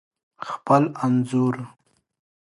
خپل انځور